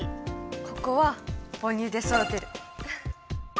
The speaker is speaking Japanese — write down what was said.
ここは「母乳で育てる」。